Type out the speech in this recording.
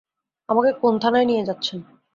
আমাকে কোন থানায় নিয়ে যাচ্ছেন?